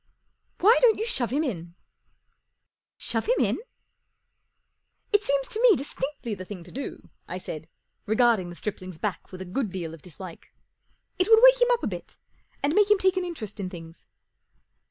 44 Why don't you shove him in ?" 44 Shove him in ?" 44 It seems to me distinctly the thing to do," I said, regarding the stripling's back with a good deal of dislike. 44 It would wake him up a bit, and make him take an interest in things."